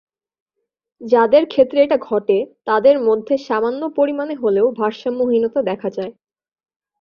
যাদের ক্ষেত্রে এটা ঘটে, তাদের মধ্যে সামান্য পরিমাণে হলেও ভারসাম্যহীনতা দেখা যায়।